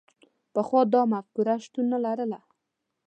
پخوا دا مفکوره شتون نه لرله.